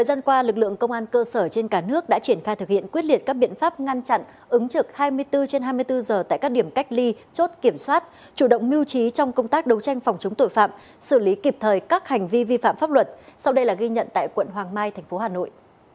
thời gian qua lực lượng công an cơ sở trên cả nước đã triển khai thực hiện quyết liệt các biện pháp ngăn chặn ứng trực hai mươi bốn trên hai mươi bốn giờ tại các điểm cách ly chốt kiểm soát chủ động mưu trí trong công tác đấu tranh phòng chống tội phạm xử lý kịp thời các hành vi vi phạm pháp luật sau đây là ghi nhận tại quận hoàng mai tp hà nội